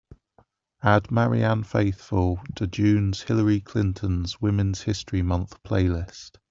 Add Marianne Faithfull to june's Hillary Clinton's Women's History Month Playlist.